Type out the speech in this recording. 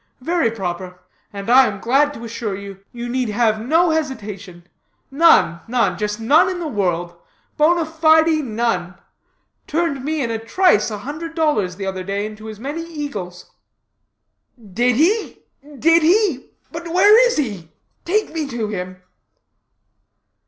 Very proper and, I am glad to assure you, you need have no hesitation; none, none, just none in the world; bona fide, none. Turned me in a trice a hundred dollars the other day into as many eagles." "Did he? did he? But where is he? Take me to him."